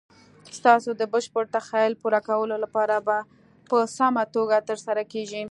ستاسو د بشپړ تخیل پوره کولو لپاره په سمه توګه تر سره کیږي.